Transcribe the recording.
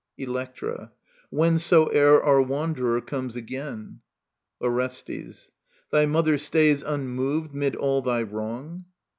Electra. Whensoever Our wanderer comes again ! Orestes. Thy mother stays Unmoved 'mid all thy wrong